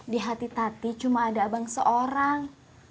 di hati tati cuma ada abang seorang